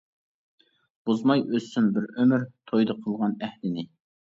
بۇزماي ئۆتسۇن بىر ئۆمۈر، تويدا قىلغان ئەھدىنى.